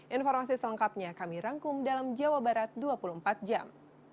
informasi selengkapnya kami rangkum dalam jawa barat dua puluh empat jam